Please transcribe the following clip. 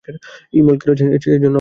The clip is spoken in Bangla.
ইমেল করছেন, এজন্যই আমরা এসেছি।